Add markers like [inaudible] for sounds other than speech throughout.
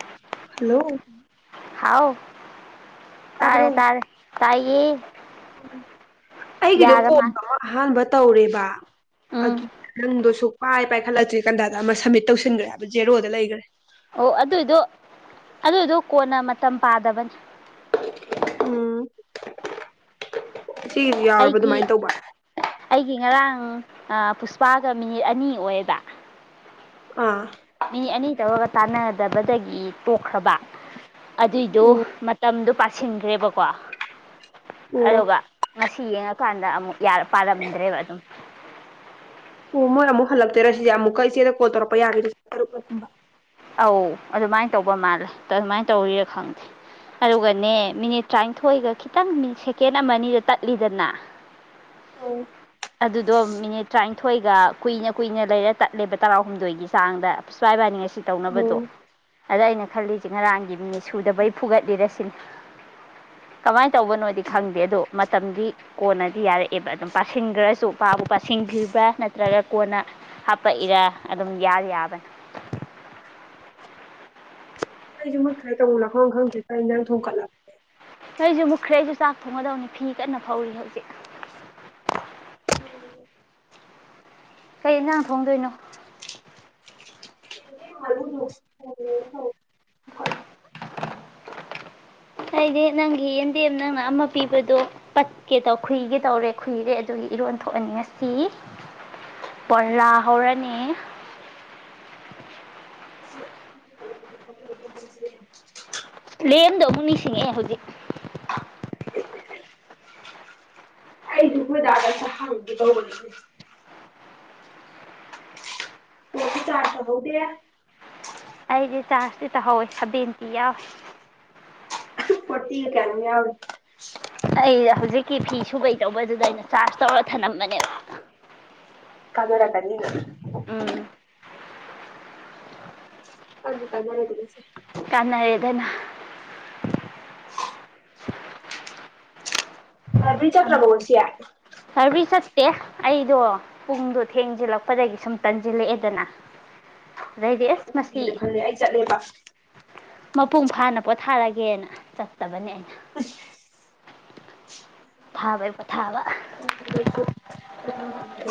[unintelligible] Hello ꯍꯥꯎ ꯌꯥꯥꯕ꯭ꯔꯣ ꯇꯥꯔꯦ ꯇꯥꯔꯦ ꯇꯥꯏꯌꯦ ꯑꯩꯒꯤꯗꯣ ꯌꯥꯔ ꯃꯥꯜꯂꯦ ꯀꯣꯝꯕ ꯑꯃ ꯑꯍꯥꯟꯕ ꯇꯧꯦꯔꯤꯕ ꯑꯗꯨ ꯎꯝ ꯅꯪꯗꯣꯁꯨ ꯄꯥꯏ ꯄꯥꯏꯈꯠꯂꯛꯇ꯭ꯔꯤ ꯀꯟꯗ ꯑꯃ ꯁꯕꯃꯤꯠ ꯇꯧꯁꯤꯟꯈ꯭ꯔꯦꯕ ꯖꯦꯔꯣꯗ ꯂꯩꯈ꯭ꯔꯦ ꯑꯣ ꯑꯗꯨꯏꯗꯣ ꯑꯗꯨꯏꯗꯣ ꯀꯣꯟꯅ ꯃꯇꯝ ꯄꯥꯗꯕꯅꯤ ꯎꯝ ꯁꯤꯁꯨ ꯌꯥꯎꯔꯕ ꯑꯗꯨꯃꯥꯏꯅ ꯇꯧꯕ ꯎꯝ ꯄꯨꯁꯄꯥꯒ ꯃꯤꯅꯤꯠ ꯑꯅꯤ ꯑꯣꯏꯌꯦꯗ ꯑꯥ ꯃꯤ ꯑꯅꯤ ꯇꯧꯔꯒ ꯇꯥꯟꯅꯗꯦ ꯗꯕꯗꯒꯤ ꯇꯣꯛꯈ꯭ꯔꯕ ꯑꯗꯨꯏꯗꯣ ꯑꯣ ꯃꯇꯝꯗꯨ ꯄꯥꯁꯤꯟꯈ꯭ꯔꯦꯕꯀꯣ ꯑꯣ ꯑꯗꯨꯒ ꯉꯁꯤ ꯌꯦꯡꯉꯀꯥꯟꯗ ꯑꯃꯨꯛ ꯄꯥꯜꯂꯝꯗ꯭ꯔꯦꯕ ꯑꯗꯨꯝ ꯍ ꯃꯣꯏ ꯑꯃꯨꯛ ꯍꯜꯂꯛꯇꯦꯔ ꯁꯤꯁꯦ ꯑꯃꯨꯛꯀ ꯏꯆꯦꯗ ꯀꯣꯜ ꯇꯧꯔꯛꯄ ꯌꯥꯒꯦꯔꯨꯛꯂꯛ ꯀꯨꯝꯕ ꯑꯧ ꯑꯗꯨꯃꯥꯏꯅ ꯇꯧꯕ ꯃꯥꯜꯂꯦ ꯑꯗꯨꯃꯥꯏꯅ ꯇꯧꯔꯤꯔ ꯈꯪꯗꯦ ꯑꯗꯨꯒꯅꯦ ꯃꯤꯅꯤꯠ ꯇꯔꯥꯅꯤꯊꯣꯏꯒ ꯈꯤꯇꯪ ꯁꯦꯀꯦꯟ ꯑꯃ ꯑꯅꯤꯗ ꯇꯠꯂꯤꯗꯅ ꯑꯥ ꯑꯗꯨꯗꯣ ꯃꯤꯅꯤꯠ ꯇꯔꯥꯅꯤꯊꯣꯏꯒ ꯀꯨꯏꯅ ꯀꯨꯏꯅ ꯂꯩꯔ ꯇꯠꯂꯦꯕ ꯇꯔꯥꯍꯨꯝꯗꯣꯏꯒꯤ ꯆꯥꯡꯗ ꯑꯁꯏꯕꯅꯤ ꯉꯁꯤ ꯁꯤ ꯑꯣ ꯇꯧꯅꯕꯗꯣ ꯑꯗ ꯑꯩꯅ ꯈꯜꯂꯤꯁꯦ ꯉꯔꯥꯡꯒꯤ ꯁꯨꯗꯕꯩ ꯐꯨꯒꯠꯂꯤꯔꯁꯤ ꯀꯃꯥꯏ ꯇꯧꯕꯅꯣꯗꯤ ꯈꯪꯗꯦ ꯑꯗꯣ ꯃꯇꯝꯗꯤ ꯀꯣꯟꯅꯗꯤ ꯌꯥꯔꯦ ꯑꯦꯕ ꯑꯗꯨꯝ ꯄꯥꯁ ꯈꯔꯁꯨ ꯎꯄꯥ ꯎꯄꯥ ꯁꯤꯡꯈꯤꯕ꯭ꯔꯥ ꯅꯠꯇ꯭ꯔꯒ ꯀꯣꯟꯅ ꯍꯥꯞꯄꯛꯏꯔꯥ ꯑꯗꯨꯝ ꯌꯥ ꯌꯥꯕꯅꯤ ꯑꯩꯁꯨꯨ ꯃꯨꯠ ꯈ꯭ꯔꯦ ꯇꯧꯐꯝ ꯈꯪꯗ꯭ꯔꯦ ꯀ ꯅꯪ ꯊ ꯊꯣꯛꯀꯠꯂꯛꯄꯦ ꯅꯣꯏꯁꯨ ꯃꯨꯛꯈ꯭ꯔꯦ ꯑꯩꯁꯨ ꯆꯥꯛ ꯊꯣꯡꯒꯗꯕꯅꯤ ꯐꯤ ꯀꯟꯅ ꯐꯧꯔꯤ ꯍꯧꯖꯤꯛ ꯎꯝ ꯀꯩ ꯌꯦꯟꯁꯥꯡ ꯊꯣꯡꯗꯣꯏꯅꯣ [unintelligible] ꯑꯩꯗꯤ ꯅꯪꯒꯤ ꯌꯦꯟꯗꯦꯝ ꯅꯪꯅ ꯑꯃ ꯄꯤꯕꯗꯣ ꯄꯠꯀꯦ ꯇꯧ ꯈꯨꯏꯒꯦ ꯇꯧꯔꯦ ꯈꯨꯏꯔꯦ ꯑꯗꯨꯒꯤ ꯏꯔꯣꯟ ꯊꯣꯛꯑꯅꯤ ꯉꯁꯤ ꯕꯂꯥ ꯍꯧꯔꯅꯤ [unintelligible] ꯂꯦꯝꯗꯍꯨꯝ ꯅꯤꯡꯁꯤꯡꯉꯛꯦ ꯍꯧꯖꯤꯛ ꯑꯩꯗꯨ ꯍꯣꯏꯗꯗ ꯆ ꯍ ꯇ ꯑꯣꯁꯨ ꯆꯥ ꯁꯣ ꯍꯧꯗꯦ ꯇꯍꯧꯋꯦ ꯁꯥꯕꯦꯟꯇꯤ ꯌꯥꯎꯋꯦ ꯐꯇꯤꯒ ꯀꯌꯥꯅꫭꯝ ꯌꯥꯎꯏ ꯑꯩ ꯍꯧꯖꯤꯛꯀꯤ ꯐꯤ ꯁꯨꯕꯩ ꯇꯧꯕꯗꯨꯗꯩꯅ ꯆꯥꯔꯖ ꯇꯧꯔ ꯊꯝꯂꯝꯝꯕꯅꯦꯕ ꯀꯗꯣꯔ ꯀꯅꯤꯒ ꯎꯝ ꯀꯅꯤ ꯀꯅ ꯂꯩ ꯑꯗꯨꯅꯁꯦ ꯀꯅꯥꯔꯗꯅ [unintelligible] ꯂꯥꯏꯕ꯭ꯔꯦꯔꯤ ꯆꯠꯇ꯭ꯔꯕꯣ ꯉꯁꯤ ꯂꯥꯕꯦꯔꯤ ꯆꯠꯇꯦ ꯑꯩꯗꯣ ꯄꯨꯡꯗꯣ ꯊꯦꯡꯖꯤꯜꯂꯛꯄꯗꯒꯤ ꯁꯨꯝ ꯇꯟꯁꯤꯜꯂꯛꯑꯦꯗꯅ ꯑꯩꯅ ꯎꯗꯦꯅ ꯈꯜꯂꯦ ꯑꯩ ꯆꯠꯂꯦꯕ ꯃꯄꯨꯡ ꯐꯥꯅ ꯄꯣꯊꯥꯔꯒꯦꯅ ꯆꯠꯇꯕꯅꯦ ꯑꯩ [unintelligible] ꯄꯣꯊꯥꯕꯩ ꯄꯣꯊꯥꯕ ꯅ‌ꯣꯡ ꯐꯥꯗ‌ꯣꯛꯁꯨ ꯄ‌ꯣꯊꯕ ꯌꯥꯏ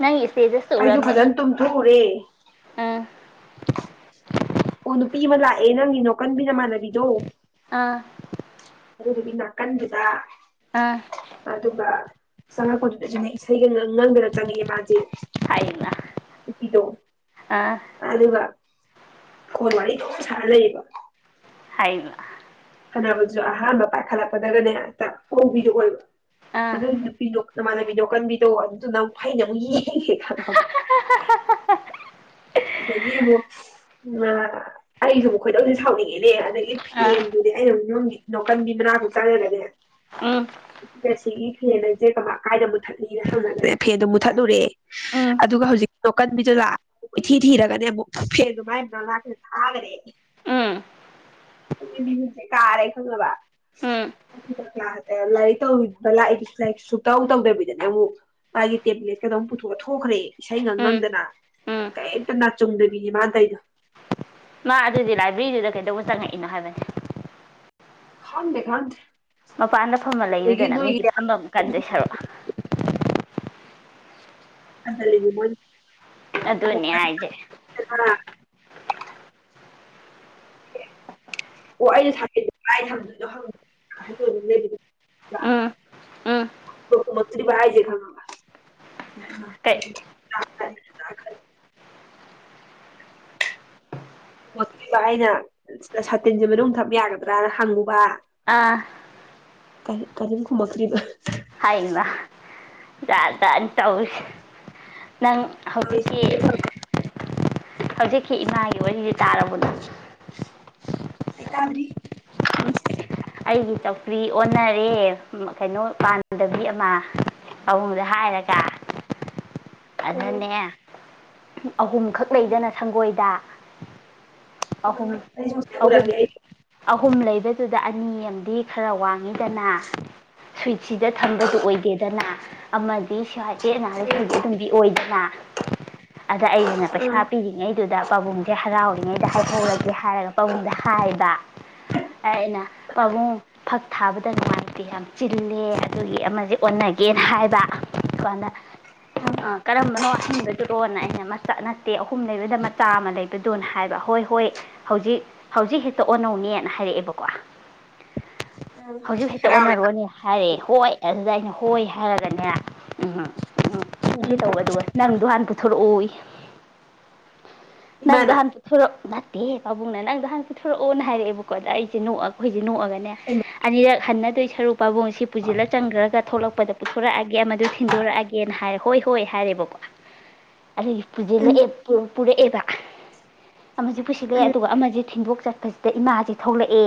ꯅꯪ ꯁꯦꯖꯁ ꯎꯔꯝꯃꯦ ꯐꯖꯅ ꯇꯨꯝꯊꯣꯛꯎꯔꯦ ꯎꯝ [unintelligible] ꯑꯣ ꯅꯨꯄꯤ ꯑꯃ ꯂꯥꯛꯑ‌ꯦ ꯅꯪꯒꯤꯅꯣ ꯀꯟꯕꯤꯅ ꯃꯥꯅꯕꯤꯗꯣ ꯑꯥ ꯑꯗꯨꯗꯨꯒꯤ ꯅꯥꯀꯟꯗꯨꯗ ꯑꯥ ꯑꯥ ꯑꯗꯨꯒ ꯆꯪꯉꯛ ꯄꯗꯨꯗ ꯑꯩꯁꯨ ꯉꯛ ꯏꯁꯩꯒ ꯉꯪꯗꯅ ꯆꯪꯉꯦ ꯃꯥꯁꯦ ꯍꯥꯏꯃ ꯅꯨꯄꯤꯗ‌ꯣ ꯑꯥ ꯑꯗꯨꯒ ꯐ‌ꯣꯟ ꯋꯥꯔꯤ ꯑꯗꯨꯝ ꯁꯥꯔ ꯂꯩꯌꯦꯕ ꯍꯥꯏꯅ ꯐꯥꯟꯅꯕꯁꯨ ꯑꯍꯥꯟꯕ ꯄꯥꯏꯈꯠꯂꯛꯄꯗꯒꯅꯦ ꯍꯦꯛꯇ ꯍꯣꯡꯕꯤꯔ ꯑꯣꯏꯕ ꯑꯥ ꯑꯗꯨꯏ ꯅꯨꯄꯤꯗ‌ꯣ ꯃꯅꯥ ꯕꯤꯗꯣ ꯀꯟꯕꯤꯗꯣ ꯑꯗꯨꯗꯨꯅ ꯑꯃꯨꯛ ꯐꯩꯅ ꯑꯃꯨꯛ ꯌꯦꯡꯒꯦ ꯈꯂꯣꯕ ꯑꯗꯒꯤ ꯑꯃꯨꯛ ꯎꯝ ꯑꯩꯁꯨ ꯈꯣꯏꯁ‌ꯦ ꯁꯥꯎꯅꯤꯡꯉꯦꯅꯦ ꯑꯗꯒꯤ ꯑꯥ ꯐꯦꯟꯗꯨꯗꯤ ꯑꯩꯩꯅ ꯅꯝꯃꯤ ꯂꯀꯣꯟ ꯕꯤꯃꯤꯔ ꯍꯇꯥꯔꯦ ꯂꯩꯅꯦ ꯎꯝ ꯉꯁꯤꯒꯤ ꯐꯦꯟ ꯍꯥꯏꯁꯦ ꯀꯃꯥꯏ ꯀꯥꯏꯗ ꯃꯨꯠꯊꯠꯂꯤꯅ ꯍꯪꯉꯒꯅꯦ ꯐꯦꯟꯗꯣ ꯃꯨꯠꯊꯠꯂꯨꯔꯦ ꯎꯝ ꯑꯗꯨꯒ ꯍꯧꯖꯤꯛ ꯅꯣꯀꯟꯕꯤꯗꯨ ꯂꯥꯛ ꯏꯊꯤ ꯊꯤꯔꯒꯅꯦ ꯑꯃꯨꯛ ꯐꯦꯟ ꯑꯗꯨꯃꯥꯏ ꯂꯥꯛ꯭ꯔꯦ ꯊꯥꯈꯔꯦ ꯎꯝ ꯑꯗꯨ ꯃꯤꯍꯨꯁꯦ ꯀꯥꯔꯦ ꯈꯪꯕ ꯎꯝ ꯀ꯭ꯂ ꯂꯥꯏꯔꯤꯛ ꯂꯥꯛꯏꯗꯤꯥꯏꯔꯤꯛ ꯁꯨꯛꯇꯧ ꯇꯧꯗꯕꯤꯗꯅꯦ ꯑꯃꯨꯛ ꯃꯥꯒꯤ ꯇꯦꯕ꯭ꯂꯦꯠꯀꯗ ꯄꯨꯊꯣꯛꯑ ꯊꯣꯛꯈ꯭ꯔꯦ ꯏꯁꯩ ꯉꯪ ꯎꯝ ꯉꯪꯗꯅ ꯎꯝ ꯀꯔꯤꯝꯇ ꯅꯥ ꯆꯨꯝꯗꯕꯤꯅꯦ ꯃꯥꯗꯥꯏꯗꯣ ꯃꯥ ꯑꯗꯨꯗꯤ ꯂꯥꯏꯕ꯭ꯔꯦꯔꯤꯗꯨꯗ ꯀꯩꯗꯧꯕ ꯆꯪꯉꯛꯏꯅꯣ ꯍꯥꯏꯕꯅꯦ ꯈꯥꯟꯗꯦ ꯈꯥꯟꯗ ꯃꯄꯥꯟꯗ ꯐꯝꯃ ꯂꯩꯌꯨꯗꯅ ꯃꯤꯒꯤ ꯐꯝꯝꯕ ꯀꯟꯗꯣꯏ ꯁꯔꯨꯛ ꯑ ꯂꯩ ꯃ ꯑꯗꯨ ꯑꯗꯨꯅꯦ ꯍꯥꯏꯖꯦ ꯑꯣ ꯑꯩꯁꯗꯣꯏꯅꯣꯠꯇ ꯎꯝ ꯎꯝ ꯑꯩꯁꯦ ꯈꯪꯉꯕ ꯀꯩ ꯎ [unintelligible] ꯣꯠꯇꯕ ꯑꯩꯅ ꯁꯥꯇꯤꯟꯁꯦ ꯃꯅꯨꯡꯗ ꯊꯛ ꯌꯥꯒꯗ꯭ꯔꯥꯅ ꯍꯪꯉꯨꯕ ꯑꯥ ꯀ ꯀꯔꯤꯝ ꯈꯨꯝꯃꯛ ꯇꯔꯤꯕ ꯍꯥꯏꯃ ꯖꯥꯠ ꯖꯥꯇꯅꯤ ꯇꯧꯏ ꯁꯦ ꯅꯪ ꯍꯧꯖꯤꯛꯀꯤ ꯑꯩ ꯍꯧꯖꯤꯛꯀꯤ ꯏꯃꯥꯒꯤ ꯋꯥꯔꯤꯁꯤ ꯇꯥꯔꯕꯗꯣ ꯑꯩ ꯇꯗꯔꯤ ꯎꯝ ꯑꯩꯒꯤ ꯆꯧꯀꯔꯤ ꯑꯣꯟꯅꯔꯦ ꯀꯩꯅꯣ ꯄꯥꯟꯗꯕꯤ ꯑꯃ ꯄꯥꯕꯨꯡꯗ ꯍꯥꯏꯔꯒ ꯎꯝ ꯑꯗꯅ° ꯑꯍꯨꯝꯈꯛ ꯂꯩꯗꯅ ꯁꯪꯒꯣꯏꯗ ꯑꯍꯨꯝ ꯄꯨ ꯑꯍꯨꯝ ꯑꯍꯨꯝ ꯂꯩꯕꯗꯨꯗ ꯑꯅꯤ ꯑꯃꯗꯤ ꯈꯔ ꯋꯥꯡꯉꯤꯗꯅ ꯁ꯭ꯨꯋꯤꯠꯁꯤꯗ ꯊꯝꯕꯗꯨ ꯑꯣꯏꯗꯦꯗꯅ ꯑꯃꯗꯤ ꯁ꯭ꯋꯥꯏ ꯆꯦꯠꯅ ꯎꯝ ꯍꯥꯏꯔꯤꯈꯩꯒꯤ ꯑꯗꯨꯝꯗꯤ ꯑꯣꯏꯗꯅ꯫ ꯑꯗ ꯑꯩꯁꯤꯅ ꯄꯩꯁꯥ ꯄꯤꯔꯤꯉꯩꯗꯨꯗ ꯄꯥꯕꯨꯡꯁꯦ ꯍꯔꯥꯎꯔꯤꯉꯩꯗ ꯍꯥꯏꯍꯧꯔꯒꯦ ꯍꯥꯏꯔꯒ ꯄꯥꯕꯨꯡꯗ ꯍꯥꯏꯕ ꯑꯩꯅ ꯄꯥꯕꯨꯡ ꯐꯛ ꯊꯥꯕꯗ ꯅꯨꯡꯉꯥꯏꯇꯦ ꯌꯥꯝ ꯆꯤꯜꯂꯦ ꯑꯗꯨꯒꯤ ꯑꯃꯁꯦ ꯑꯣꯟꯅꯒꯦꯅ ꯍꯥꯏꯕ ꯁꯥꯟꯗ ꯎꯝ ꯎꯝ ꯀꯔꯝꯕꯅꯣꯍꯟꯕꯗꯨꯔꯣꯅ ꯑꯩꯅ ꯃꯆꯥꯠꯅ ꯇꯦ ꯑꯍꯨꯝ ꯂꯩꯕꯗ ꯃꯆꯥ ꯑꯃ ꯂꯩꯕꯗꯣꯅ ꯍꯥꯏꯕ ꯍꯣꯏ ꯍꯣꯏ ꯍꯧꯖꯤꯛ ꯍꯧꯖꯤꯛ ꯍꯦꯛꯇ ꯑꯣꯟꯅꯧꯅꯦꯅ ꯍꯥꯏꯔꯛꯑꯦꯕꯀꯣ ꯎꯝ ꯍꯧꯖꯤꯛ ꯍꯦꯛꯇ ꯍꯔꯥꯎꯋꯦ ꯑꯣꯟꯅꯔꯨꯔꯅꯦ ꯍꯥꯏꯔꯦ ꯍꯣꯏ ꯑꯗꯨꯗ ꯑꯩꯅꯣ ꯍꯣꯏ ꯍꯥꯏꯔꯒꯅꯦ ꯎꯝ꯫ ꯎꯝ ꯊꯪꯒꯦ ꯎꯝ ꯇꯧꯋꯦ ꯑꯗꯨꯒ ꯅꯪꯗꯣ ꯍꯥꯟꯅ ꯄꯨꯊꯣꯔꯛꯎ ꯅꯪꯗꯣ ꯏꯃꯥꯅ ꯍꯟꯇ ꯊꯨꯔꯣ ꯅ ꯗꯦ ꯄꯥꯕꯨꯡꯅ ꯅꯪꯗ ꯅꯍꯥꯟ ꯄꯤꯊꯣꯔꯛꯑꯣꯅ ꯍꯥꯏꯔꯛꯑꯦꯕꯀꯣ ꯑꯗ ꯑꯩꯁꯦ ꯅꯣꯛꯑꯒ ꯅꯣꯛꯑꯒꯅꯦ ꯍꯩꯃꯥ ꯑꯅꯤꯔꯛ ꯍꯟꯅꯗꯣꯏꯁ ꯄꯥꯕꯨꯡꯁꯤ ꯄꯨꯁꯤꯜꯂ ꯆꯪꯈ꯭ꯔꯒ ꯊꯣꯛꯂꯛꯄꯗ ꯄꯨꯊꯣꯔꯛꯑꯒ ꯑꯦ ꯑꯃꯗꯨ ꯊꯤꯟꯗꯣꯔꯛꯑꯒꯦꯅ ꯍꯥꯏ ꯍꯣꯏ ꯍꯣꯏ ꯍꯥꯏꯔꯦꯕꯀꯣ꯫ ꯑꯩ ꯎꯝ ꯄꯨꯖꯤꯜꯂꯛꯑꯦ ꯄ꯭ꯔꯣ꯫ ꯄꯨꯔꯦ ꯑꯦꯕꯥꯛ ꯑꯃꯁꯨ ꯄꯨꯁꯤꯜꯂꯛꯦ ꯎꯝ ꯑꯗꯨꯒ ꯑꯃꯁꯨ ꯊꯤꯟꯗꯣꯛ ꯆꯠꯄꯁꯤꯗ ꯏꯃꯥꯁꯦ ꯊꯣꯛꯂꯛꯑꯦ꯫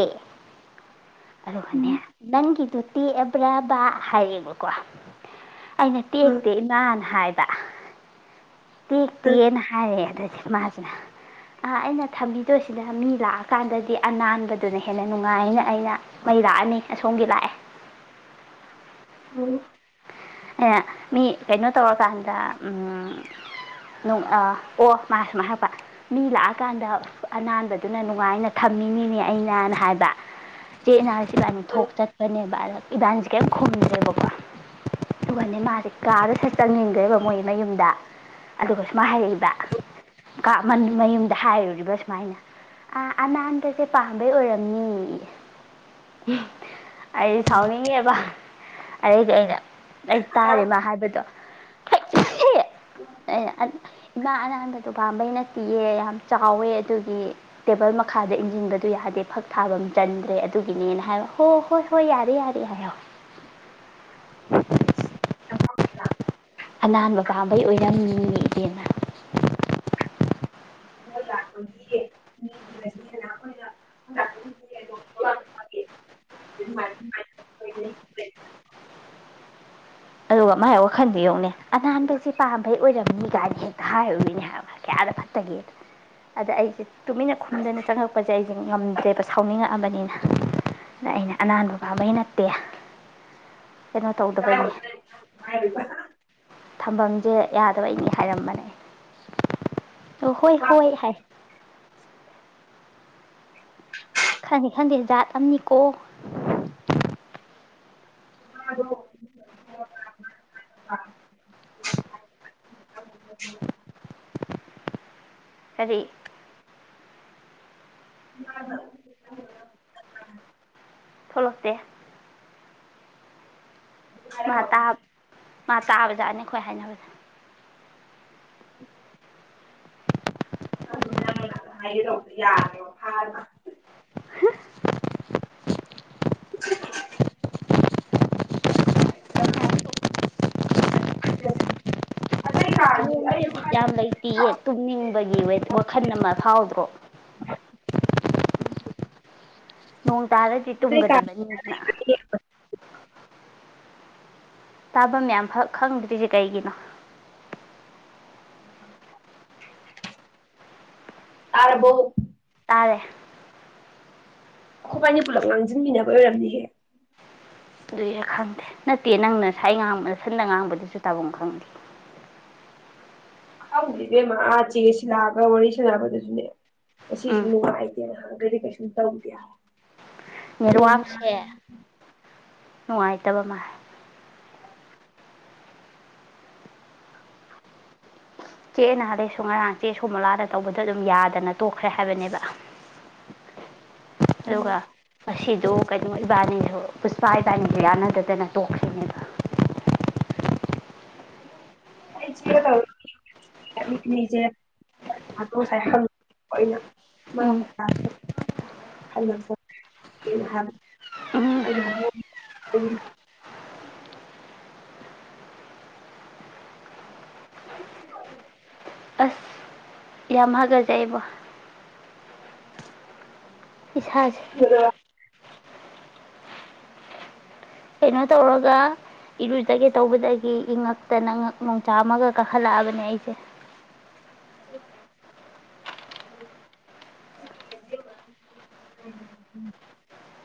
ꯎꯝ ꯑꯗꯨꯒꯅꯦ ꯅꯪꯒꯤ꯫ ꯇꯣꯇꯤ ꯑꯦꯕ꯭ꯔꯕꯥ ꯍꯥꯏꯌꯦꯕꯀꯣ꯫ ꯑꯩꯅ ꯎꯝ ꯇꯦꯛꯇꯦ ꯏꯃꯥꯅ ꯍꯥꯏꯔ ꯆꯥꯛ꯫ ꯇꯤ ꯇ ꯌꯦꯟ ꯍꯥꯏꯔꯦꯗ ꯃꯥꯁꯤꯅ ꯑ ꯑꯩꯅ ꯊꯝꯕꯤꯗꯣꯏꯁꯤꯅ ꯃꯤ ꯂꯥꯛꯑꯀꯥꯟꯗꯗꯤ ꯑꯅꯥꯟꯕꯗꯨꯅ ꯍꯦꯟꯅ꯫ ꯅꯨꯡꯉꯥꯏꯅ ꯑꯌꯥ ꯃꯩ ꯂꯥꯛꯑꯅꯤ ꯑꯁꯣꯝꯒꯤ ꯂꯥꯛꯑꯦ꯫ ꯑꯣ꯫ ꯑꯩꯅ ꯃꯤ ꯀꯩꯅꯣ ꯇꯧꯔꯀꯥꯟꯗ ꯎꯝ ꯅꯣꯡ ꯑꯥ ꯑꯣ ꯃꯥ ꯁꯨꯃꯥꯏꯅ ꯍꯥꯏꯔꯛꯄ ꯃꯤ ꯂꯥꯛꯑꯀꯥꯟꯗ ꯑꯅꯥꯟꯕꯗꯨꯅ ꯅꯨꯡꯉꯥꯏꯅ ꯊꯝꯃꯤꯅꯤꯅꯦ ꯑꯩꯅꯅ ꯍꯥꯏꯕ ꯆꯦꯠꯅ ꯏꯕꯥꯟꯅꯤ ꯊꯣꯛ ꯆꯠꯄꯅꯦ ꯚꯥꯔꯠ꯫ ꯏꯕꯥꯅꯤꯁꯦ ꯀꯦꯝ ꯈꯨꯝꯗ꯭ꯔꯦꯕꯀꯣ꯫ ꯃ ꯃꯥꯔꯦ ꯀꯥꯗ ꯁꯠꯇꯪꯅꯤ ꯐꯖꯔꯤꯕ ꯃꯣꯏ ꯃꯌꯨꯝꯗ ꯑꯗꯨꯒ ꯃꯥ ꯍꯥꯏꯔꯛꯏꯕ ꯃꯌꯨꯝꯗ ꯍꯥꯏꯔꯨꯔꯤꯕ ꯁꯨꯃꯥꯏꯅ ꯑ ꯑꯅꯥꯟꯕꯁꯦ ꯄꯥꯝꯕꯩ ꯑꯣꯏꯔꯝꯅꯤ ꯑꯩꯗꯤ ꯁꯥꯎꯅꯤꯡꯉꯦꯕ ꯑꯗꯩꯗꯤ ꯑꯩꯅ ꯑꯩ ꯇꯥꯔꯦ ꯃꯥ ꯍꯥꯏꯕꯗꯣ ꯑꯩꯅ ꯏꯃꯥ ꯑꯅꯥꯟꯕꯗꯨ ꯄꯥꯝꯕꯩ ꯅꯠꯇꯤꯌꯦ ꯌꯥꯝ ꯆꯥꯎꯋꯦ ꯑꯗꯨꯒꯤ ꯇꯦꯕꯜ ꯃꯈꯥꯗ ꯏꯟꯁꯤꯟꯕꯗꯨ ꯌꯥꯗꯦ ꯐꯛ ꯊꯥꯐꯝ ꯆꯟꯗ꯭ꯔꯦ ꯑꯗꯨꯒꯤꯅꯦꯅ ꯍꯥꯏꯕ ꯍꯣ ꯍꯣꯏ ꯍꯣꯏ ꯌꯥꯔꯦ ꯌꯥꯔꯦ ꯍꯥꯏꯍꯧꯋꯦ ꯑꯅꯥꯟꯕ ꯄꯥꯝꯕꯩ ꯑꯣꯏꯔꯝꯃꯤ ꯑꯗꯨꯅꯦ ꯏꯕꯦꯝꯃ ꯅꯣꯏ ꯂꯥꯛꯄ ꯑꯗꯨꯒ ꯃꯥꯏ ꯋꯥꯈꯟꯗꯣ ꯌꯦꯡꯉꯨꯅꯦ ꯑꯅꯥꯟꯕꯁꯦ ꯄꯥꯝꯕꯩ ꯑꯣꯏꯔꯝꯅꯤ ꯀꯥꯏꯗꯤ ꯍꯦꯛꯇ ꯍꯥꯏꯔꯨꯃꯤꯅꯦ ꯍꯥꯏꯕ ꯀꯌꯥꯗ ꯐꯠꯇꯒꯦ ꯑꯗ ꯑꯩꯁꯦ ꯇꯨꯃꯤꯟꯅ ꯈꯨꯝꯗꯅ ꯆꯪꯉꯛꯄꯁꯦ ꯑꯩꯁꯦ ꯉꯝꯗ꯭ꯔꯦꯕ ꯁꯥꯎꯅꯤꯡꯉꯛꯑꯕꯅꯤꯅ ꯑꯗꯩ ꯑꯩꯅ ꯑꯅꯥꯟꯕ ꯄꯥꯝꯕꯩ ꯅꯠꯇꯦ ꯀꯩꯅꯣ ꯇꯧꯗꯕꯩꯅꯦ [unintelligible] ꯊꯝꯐꯝꯁꯦ ꯌꯥꯗꯕꯩꯅꯤ ꯍꯥꯏꯔꯝꯕꯅꯦ ꯑꯣ ꯍꯣꯏ ꯍꯣꯏ ꯍꯥꯏ ꯈꯪꯗꯦ ꯈꯪꯗꯦ ꯖꯥꯠ ꯑꯃꯅꯤꯀꯣ [unintelligible] ꯀꯔꯤ [unintelligible] ꯊꯣꯛꯂꯛꯇꯦ ꯃꯥ ꯇꯥꯞ ꯃꯥ ꯇꯥꯕ ꯖꯥꯠꯅꯤ ꯑꯩꯈꯣꯏ ꯍꯥꯏꯅꯕꯗꯣ [unintelligible] ꯑꯗꯨ ꯃ ꯍꯥꯏꯒꯦ ꯇꯧꯕꯗ ꯌꯥꯔꯦ ꯐꯔꯒ ꯍ ꯑ ꯍꯧꯖꯤꯛꯁꯦ ꯕꯤꯠ ꯌꯥꯝ ꯂꯩꯇꯤꯌꯦ ꯇꯨꯝꯅꯤꯡꯕꯒꯤ ꯋꯥꯈꯜ ꯑꯃ ꯐꯥꯎꯗ꯭ꯔꯣ ꯎꯝ ꯅꯣꯡ ꯇꯥꯔꯗꯤ ꯇꯨꯝꯒꯗꯕꯅꯤꯅ ꯇꯥꯐꯝ ꯃꯌꯥꯝ ꯐꯛ ꯈꯪꯗ꯭ꯔꯤꯁꯦ ꯀꯩꯒꯤꯅꯣ ꯇꯔꯕꯣ ꯇꯥꯔꯦ ꯑꯩꯈꯣꯏꯕꯥꯅꯤ ꯄꯨꯂꯞ ꯉꯥꯡꯁꯤꯟꯃꯤꯟꯅꯕꯩ ꯑꯣꯏꯔꯝꯅꯤꯌꯦ ꯑꯗꯨꯏꯔ ꯈꯪꯗꯦ ꯅꯠꯇꯦ ꯅꯪꯅ ꯉꯁꯥꯏ ꯉꯥꯡꯕ ꯁꯟꯗ ꯉꯥꯡꯕꯗꯨꯁꯨ ꯇꯥꯐꯝ ꯈꯪꯗꯦ ꯈꯪꯗꯦ ꯏꯕꯦꯝꯃ ꯆꯦ ꯁꯤꯜꯂꯥꯒ ꯋꯥꯔꯤ ꯁꯥꯅꯕꯗꯗꯤꯅꯦ ꯑꯁꯤꯁꯦ ꯎꯝ ꯅꯨꯡꯉꯥꯏꯇꯦꯗꯅ ꯗꯤ ꯀꯩꯁꯨꯝ ꯇꯧꯗꯦ ꯐꯣꯟ ꯅꯦꯠꯋꯥꯛꯁꯦ ꯅꯨꯡꯉꯥꯏꯇꯕ ꯃꯥꯜꯂꯦ ꯆꯦꯅ ꯍꯗꯩꯁꯨ ꯉꯔꯥꯡ ꯆꯦ ꯁꯨ ꯃꯂꯥꯗ ꯇꯧꯕꯗ ꯑꯗꯨꯝ ꯌꯥꯗꯅ ꯇꯣꯛꯈ꯭ꯔꯦ ꯍꯥꯏꯕꯅꯦꯕ ꯑꯗꯨꯒ ꯎꯝ ꯉꯁꯤꯗꯨ ꯀꯩꯅꯣ ꯏꯕꯥꯅꯤꯅ ꯄꯨꯁꯄꯥ ꯏꯕꯥꯅꯤꯁꯨ ꯌꯥꯅꯗꯗꯅ ꯇꯣꯛꯈ꯭ꯔꯤꯅꯦꯕ ꯑꯩꯁ ꯇꯁꯦ ꯉꯁꯥꯏꯪ ꯃꯥ ꯎꯝ ꯍꯂꯣ ꯁꯥꯩꯅ ꯎꯝ ꯑꯩꯅ ꯍ ꯎ ꯑꯁ ꯌꯥꯝ ꯍꯒꯖꯩꯕꯣ ꯏꯁꯖꯦ ꯀꯩꯅꯣ ꯇꯧꯔꯒ ꯏꯔꯨꯖꯒꯦ ꯇꯧꯕꯗꯒꯤ ꯏꯉꯛꯇꯅ ꯉꯛ ꯅꯨꯡ ꯆꯥꯝꯃꯒ ꯀꯥꯈꯠꯂꯛꯑꯕꯅꯦ ꯑꯩꯁꯦ ꯑꯣ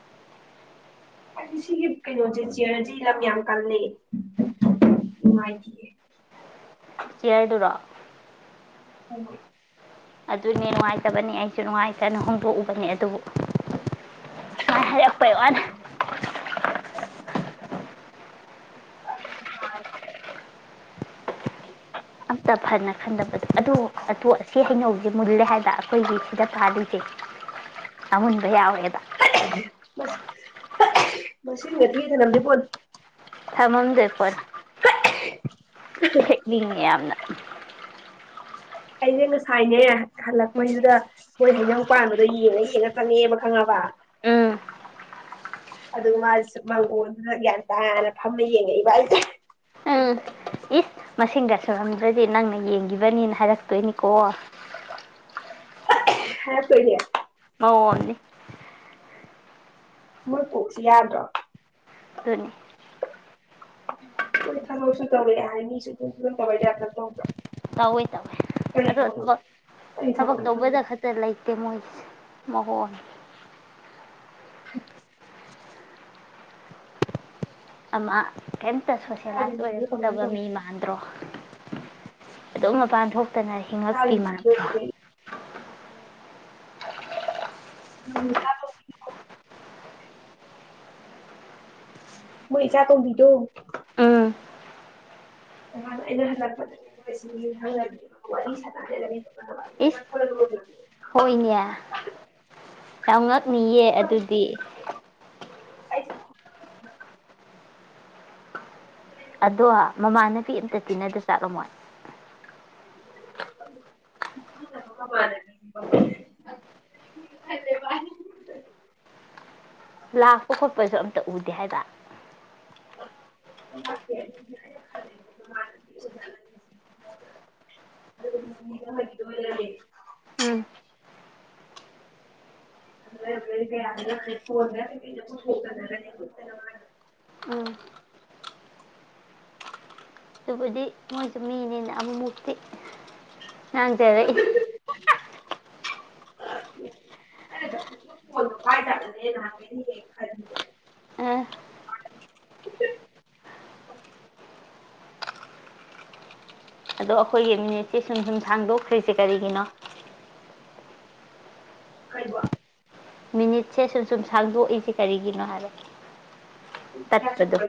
ꯑꯩ ꯁꯤꯒꯤ ꯀꯩꯅꯣꯁꯦ ꯆꯤꯌꯔꯁꯦ ꯂꯝ ꯌꯥꯝ ꯀꯥꯟꯅꯩ ꯅꯨꯡꯉꯥꯏꯇꯤꯌꯦꯦ ꯆꯤꯌꯔꯗꯨꯔꯣ ꯑꯣ ꯑꯗꯨꯅꯦ ꯅꯨꯡꯉꯥꯏꯇꯕꯅꯦ ꯑꯩꯁꯨ ꯅꯨꯡꯉꯥꯏꯇꯅ ꯍꯣꯡꯗꯣꯛꯎꯕꯅꯦ ꯑꯗꯨꯕꯨ ꯍꯥꯏꯔꯛꯄꯩ ꯋꯥꯅꯦ [unintelligible] ꯑ ꯑꯝꯇ ꯐꯅ ꯈꯟꯗꯕꯗꯣ ꯑꯗꯨ ꯑꯇꯣ ꯑꯁꯤ ꯍꯩꯅꯧ ꯃꯨꯜꯂꯦ ꯍꯥꯏꯕ ꯑꯩꯈꯣꯏꯒꯤ ꯁꯤꯗ ꯇꯥꯔꯤꯁꯦ ꯃꯨꯟꯕꯥ ꯌꯥꯎꯔꯦꯕ ꯃꯁꯤꯡꯒ ꯊꯤꯔ ꯊꯅꯝꯗꯣꯏ ꯄꯣꯠꯅꯤ ꯊꯃꯝꯗꯣꯏ ꯄꯣꯠꯅꯤ ꯍꯦꯛꯅꯤꯡꯉꯦ ꯌꯥꯝꯅ [unintelligible] ꯑꯩꯁꯦ ꯉꯁꯥꯏꯅꯦ ꯎꯝ ꯍꯜꯂꯛꯄꯩꯗꯨꯗ ꯃꯣꯏ ꯍꯩꯅꯧ ꯄꯥꯟꯕꯗꯣ ꯌꯦꯡꯉ ꯍꯡꯉ ꯆꯪꯉꯦꯕ ꯈꯪꯉꯕ ꯎꯝ ꯑꯗꯨꯒ ꯃꯥ ꯃꯪꯒꯣꯟꯗꯨꯗ ꯒ꯭ꯌꯥꯟ ꯇꯥꯅ ꯐꯝꯅ ꯌꯦꯡꯉꯛꯏꯕ ꯑꯩꯁꯦ ꯎꯝ ꯏꯁ ꯃꯁꯤꯡꯒ ꯁꯨꯔꯝꯗ꯭ꯔꯗꯤ ꯅꯪꯅ ꯌꯦꯡꯈꯤꯕꯅꯤꯅ ꯍꯥꯏꯔꯛꯇꯣꯏꯅꯤꯀꯣ ꯍꯥꯏꯔꯛꯇꯣꯏꯅꯦ ꯃꯑꯣꯡꯑꯝꯅꯤ ꯃꯣꯏ ꯀꯣꯛꯁꯤ ꯌꯥꯗ꯭ꯔꯣ ꯑꯗꯨꯅꯤ ꯃꯣꯏ ꯊꯕꯛꯁꯨ ꯇꯧꯔꯦ ꯍꯥꯏ ꯃꯤꯁꯨ ꯑꯗꯨꯝ ꯄꯨꯟꯗꯕꯩ ꯇꯥ꯭ꯌꯞꯇ ꯇꯧꯗ꯭ꯔꯣ ꯇꯧꯋꯦ ꯇꯧꯋꯦ ꯀꯔꯤ ꯑꯗꯣ ꯊꯕꯛꯅꯣ ꯊꯕꯛ ꯀꯔꯤ ꯊꯕꯛ ꯊꯕꯛꯅꯣ ꯈꯪꯗꯦ ꯇꯧꯕꯗ ꯈꯛꯇ ꯂꯩꯇꯦ ꯃꯣꯏ ꯃꯣꯍꯣꯏ ꯍ ꯑꯃ ꯀꯩꯝꯇ ꯁꯣꯁꯦꯂꯥꯏꯁ ꯃꯆꯥꯁꯤꯡꯁꯤꯁꯨ ꯀꯃꯥꯏꯅ ꯑꯣꯏꯔꯛꯇꯕ ꯇꯧ ꯃꯤ ꯃꯥꯟꯗ꯭ꯔꯣ ꯑꯗꯨꯝ ꯃꯄꯥꯟ ꯊꯣꯛꯇꯅ ꯍꯤꯡꯉꯛꯄꯤ ꯃꯆꯥꯁꯤꯡꯁꯤꯁꯨ ꯃꯥꯟꯗ꯭ꯔꯣ ꯍꯥꯏꯗꯤ ꯎꯝ ꯃꯣꯏ ꯏ ꯆ ꯀꯕꯤꯗꯣ ꯎꯝ ꯅꯍꯥꯟꯅ ꯑꯩꯅ ꯍꯜꯂꯛꯄꯗꯣꯏꯁꯤ ꯌꯨꯝꯊꯪ ꯋꯥꯔꯤ ꯁꯥꯟꯖꯒꯅꯤꯕ ꯈꯣꯅꯕ ꯑꯩ ꯂꯅꯦ ꯍꯣꯏꯅꯤ ꯌꯥꯝꯅ ꯃꯤꯌꯦ ꯑꯗꯨꯗꯤ ꯑꯩꯁꯨ ꯑꯗꯣ ꯃꯃꯥꯅꯄꯤ ꯑꯃꯝꯇ ꯇꯤꯟꯅꯗ꯭ꯔ ꯆꯠꯂꯝꯃꯣꯏ [unintelligible] ꯂꯥꯛꯄ ꯈꯣꯠꯄꯁꯨ ꯑꯝꯇ ꯎꯗꯦ ꯍꯥꯏꯗ ꯎꯝ [unintelligible] ꯎꯝ ꯑꯗꯨꯔ ꯑꯗꯨꯕꯨꯗꯤ ꯃꯣꯏ ꯃꯤꯅꯤꯅ ꯑꯃꯃꯨꯛꯇꯤ ꯅꯪ ꯇꯦꯦ ꯑꯩꯅ ꯐꯣꯟꯗꯣ ꯄꯥꯏ ꯇꯅꯦ ꯅꯍꯥꯟ ꯀꯩꯗꯤ ꯈ ꯑ ꯑꯗꯣ ꯑꯩꯈꯣꯏꯒꯤ ꯃꯤꯅꯤꯠꯁꯦ ꯁꯨꯝ ꯁꯨꯝ ꯁꯥꯡꯗꯣꯛꯈ꯭ꯔꯤꯁꯦ ꯀꯔꯤꯒꯤꯅꯣ ꯀꯩ ꯋꯥ ꯃꯤꯅꯤꯠꯁꯦ ꯁꯨꯝ ꯁꯨꯝ ꯁꯥꯡꯗꯣꯛꯏꯁꯦ ꯀꯔꯤꯒꯤꯅꯣ ꯍꯥꯏꯔꯦ ꯏꯌꯥꯁꯨꯕ